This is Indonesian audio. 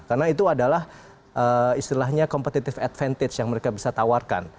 karena itu adalah istilahnya competitive advantage yang mereka bisa tawarkan